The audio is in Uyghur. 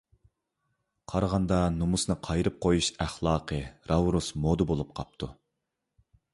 قارىغاندا، نومۇسنى قايرىپ قويۇش ئەخلاقى راۋۇرۇس مودا بولۇپ قاپتۇ.